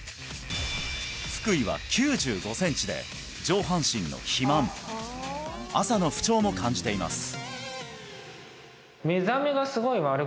腹囲は９５センチで上半身の肥満朝の不調も感じています